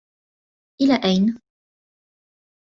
إلى أين؟